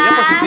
ya pak siti